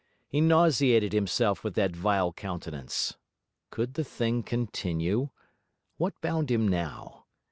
He nauseated himself with that vile countenance. Could the thing continue? What bound him now?